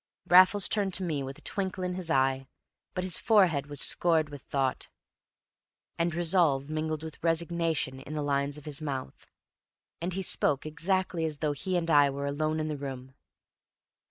Raffles turned to me with a twinkle in his eye; but his forehead was scored with thought, and resolve mingled with resignation in the lines of his mouth. And he spoke exactly as though he and I were alone in the room.